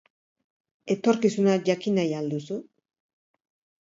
Etorkizuna jakin nahi al duzu?